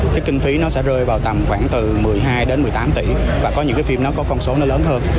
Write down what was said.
cái kinh phí nó sẽ rơi vào tầm khoảng từ một mươi hai đến một mươi tám tỷ và có những cái phim nó có con số nó lớn hơn